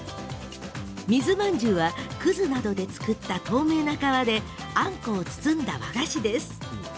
水まんじゅうはくずなどで作った透明な皮であんこを包んだ和菓子です。